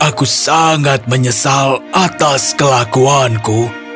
aku sangat menyesal atas kelakuanku